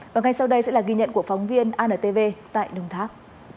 và ngay sau đây sẽ là ghi nhận của phóng viên antv tại đồng tháp